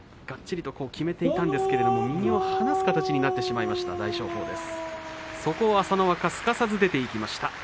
がっちりときめていたんですがその腕を離す形になってしまった大翔鵬そこを朝乃若がすかさず出ていきました。